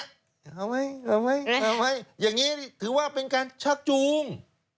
เอาไหมเอาไหมเอาไหมอย่างนี้ถือว่าเป็นการชักจูง